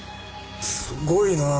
すごいなあ。